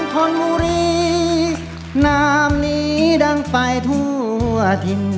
หลวงทนบุรีนามนี้ดังไปทั่วทิน